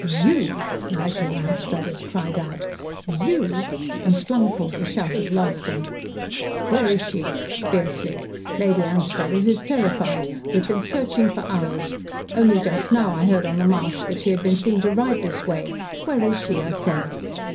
"YOU!" Nigel Anstruthers cried out. "You!" and flung forth a shout of laughter. "Where is she?" fiercely. "Lady Anstruthers is terrified. We have been searching for hours. Only just now I heard on the marsh that she had been seen to ride this way. Where is she, I say?"